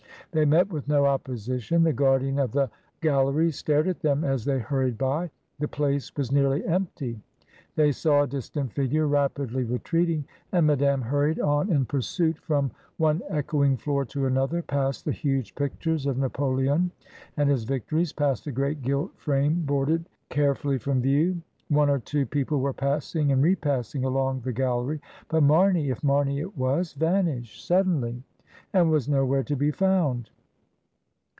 They met with no opposition. The guardian of the gal leries stared at them as they hurried by; the place was nearly empty; they saw a distant figure rapidly retreating, and Madame hurried on in pursuit from one echoing floor to another, past the huge pictures of Napoleon and his victories, past a great gih frame boarded carefiilly from view. One or two people were passing and re passing along the gal lery, but Marney (if Marney it was) vanished sud denly, and was nowhere to be found.